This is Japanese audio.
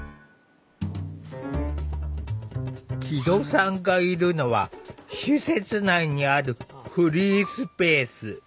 木戸さんがいるのは施設内にあるフリースペース。